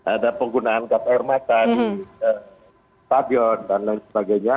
ada penggunaan gas air mata di stadion dan lain sebagainya